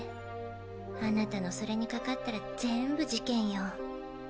あなたのそれにかかったら全部事件よ。